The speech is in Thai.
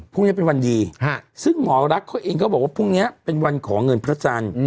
พรุ่งนี้เป็นวันดีซึ่งหมอรักเขาเองก็บอกว่าพรุ่งนี้เป็นวันขอเงินพระจันทร์